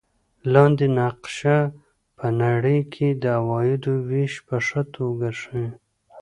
لاندې نقشه په نړۍ کې د عوایدو وېش په ښه توګه ښيي.